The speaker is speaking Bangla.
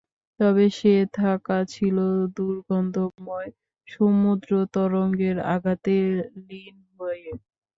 তবে সে থাকা ছিল দুর্গন্ধময় সমুদ্র তরঙ্গের আঘাতে লীন হয়ে।